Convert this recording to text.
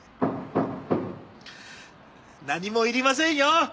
何もいりませんよ！